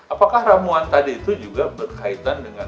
apakah ramuan tadi itu juga berkaitan dengan